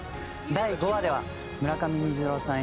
第５話では村上虹郎さん